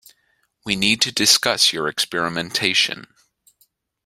We need to discuss your experimentation.